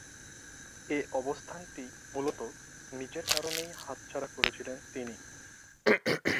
এ অবস্থানটি মূলতঃ নিজের কারণেই হাতছাড়া করেছিলেন তিনি।